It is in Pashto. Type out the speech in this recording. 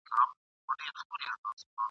د ژوندي پاته سووکسانو شمېر ډېر لږ دئ.